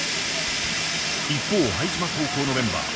一方拝島高校のメンバー。